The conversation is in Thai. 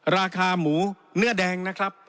ราคาหมูเนื้อแดงนะครับ